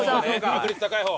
確率高い方。